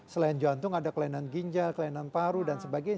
selain jantung ada kelainan ginjal kelainan paru dan sebagainya